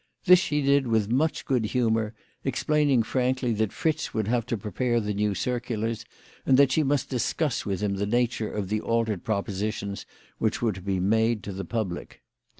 This she did with much good humour, explaining frankly that Fritz would have to prepare the new circulars, and that she must discuss with him the nature of the altered propositions which were to be made to the public.